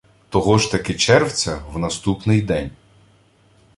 Того ж таки червця, в наступний день